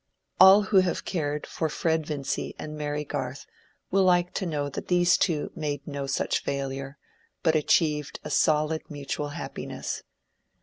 All who have cared for Fred Vincy and Mary Garth will like to know that these two made no such failure, but achieved a solid mutual happiness.